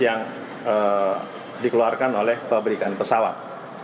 yang dikeluarkan oleh pabrikan pesawat